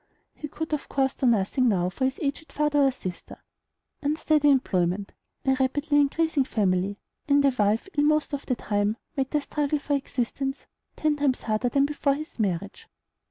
He could of course do nothing now for his aged father or sister. Unsteady employment, a rapidly increasing family, and a wife ill most of the time, made the struggle for existence ten times harder than before his marriage.